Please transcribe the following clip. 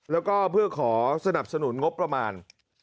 แล้วก็เพื่อขอสนับสนุนงบประมาณ